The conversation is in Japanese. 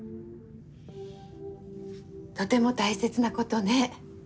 とても大切なことね。